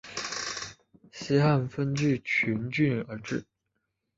西汉分钜鹿郡而置。